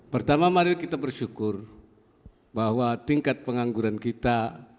pertama mari kita bersyukur bahwa tingkat pengangguran kita